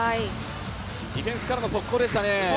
ディフェンスからの速攻でしたね。